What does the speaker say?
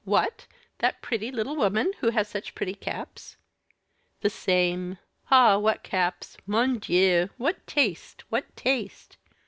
"What! that pretty little woman who has such pretty caps?" "The same! Ah! what caps! Mon Dieu! what taste! what taste!"